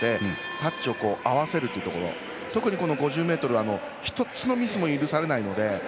タッチを合わせるというところ特に５０ｍは１つのミスも許されないので。